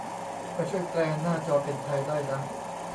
ไปช่วยแปลหน้าจอเป็นไทยได้นะ